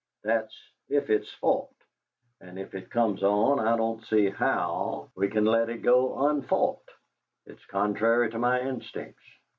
That's if it's fought, and if it comes on I don't see how we can let it go unfought; it's contrary to my instincts.